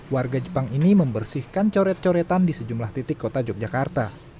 warga jepang ini membersihkan coret coretan di sejumlah titik kota yogyakarta